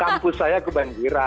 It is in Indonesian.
hahaha kampus saya kebanjiran